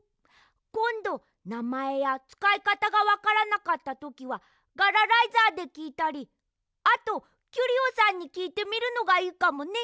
こんどなまえやつかいかたがわからなかったときはガラライザーできいたりあとキュリオさんにきいてみるのがいいかもね。